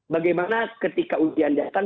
bagaimana ketika ujian datang